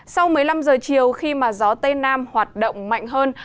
sau một mươi năm giờ chiều khi mà gió tây nam hoạt động mạnh hơn